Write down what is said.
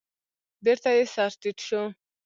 بېرته يې سر تيټ شو.